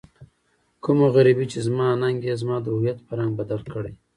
کومه غريبي چې زما ننګ يې زما د هويت په رنګ بدل کړی.